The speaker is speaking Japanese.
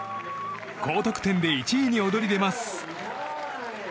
高得点で１位に躍り出ます。